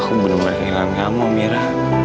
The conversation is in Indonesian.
aku belum pernah kehilangan kamu mira